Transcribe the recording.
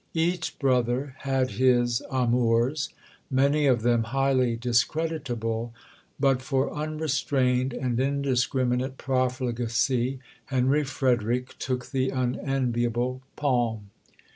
Each brother had his amours many of them highly discreditable; but for unrestrained and indiscriminate profligacy Henry Frederick took the unenviable palm.